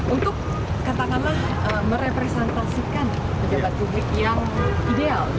untuk katakanlah merepresentasikan pejabat publik yang ideal